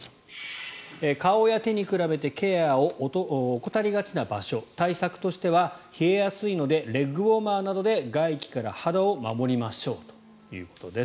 顔や手に比べてケアを怠りがちな場所対策としては、冷えやすいのでレッグウォーマーなどで外気から肌を守りましょうということです。